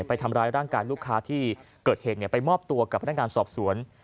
ไปทำร้ายร่างกายลูกค้าที่เกิดเหตุไปมอบตัวกับพนักงานสอบสวน